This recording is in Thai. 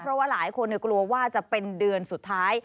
เพราะว่าหลายคนกลัวว่าจะเป็นเดือนสุดท้าย